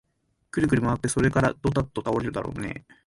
くるくるまわって、それからどたっと倒れるだろうねえ